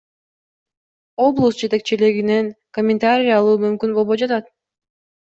Облус жетекчилигинен комментарий алуу мүмкүн болбой жатат.